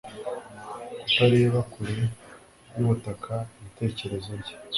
Kutareba kure yubutaka ibitekerezo bye